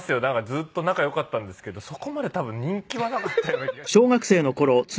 ずっと仲良かったんですけどそこまで多分人気はなかったような気がしますけどね。